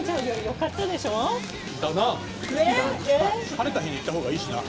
晴れた日に行った方がいいしな。